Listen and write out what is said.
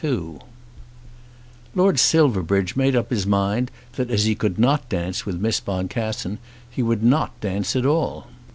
2 Lord Silverbridge made up his mind that as he could not dance with Miss Boncassen he would not dance at all.